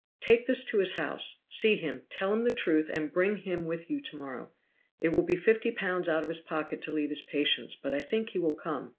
"Take this to his house, see him, tell him the truth, and bring him with you to morrow it will be fifty pounds out of his pocket to leave his patients but I think he will come.